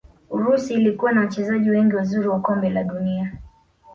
urusi ilikuwa na wachezaji wengi wazuri wa kombe la dunia